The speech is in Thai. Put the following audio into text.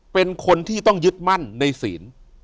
เป็นคนที่ต้องยึดมั่นในศีล